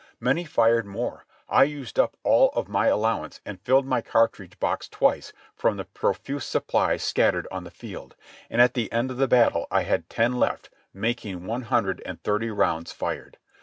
Many fired more ; I used up all of my allowance and filled my cartridge box twice from the profuse supplies scat tered on the field, and at the end of the battle I had ten left, mak ing one hundred and thirty rounds fired.